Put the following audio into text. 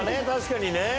確かにね。